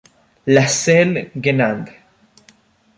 La Celle-Guenand